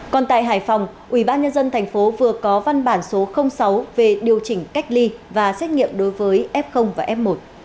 còn tại hải phòng ubnd tp vừa có văn bản số sáu về điều chỉnh cách ly và xét nghiệm đối với f và f một